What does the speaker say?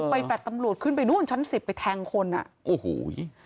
แฟลต์ตำรวจขึ้นไปนู่นชั้นสิบไปแทงคนอ่ะโอ้โห